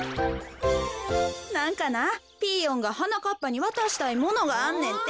なんかなピーヨンがはなかっぱにわたしたいものがあんねんて。